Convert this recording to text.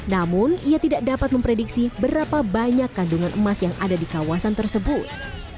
namun ia tidak dapat memprediksi berapa banyak kandungan emas yang ada di kawasan tersebut